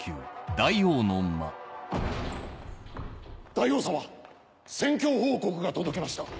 大王様戦況報告が届きました。